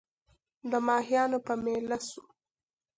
د ماهیانو په مېله سوو